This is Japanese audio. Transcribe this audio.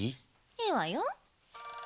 いいわよ。